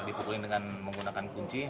dipukulin dengan menggunakan kunci